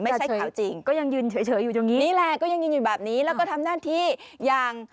ไม่ใช่ข่าวจริงนี่แหละก็ยังยืนอยู่แบบนี้แล้วก็ทำหน้าที่อย่าง